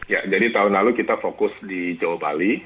ya jadi tahun lalu kita fokus di jawa bali